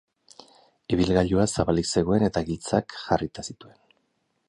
Ibilgailua zabalik zegoen eta giltzak jarrita zituen.